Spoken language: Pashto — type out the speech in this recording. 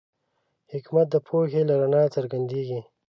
حکمت د پوهې له رڼا څرګندېږي.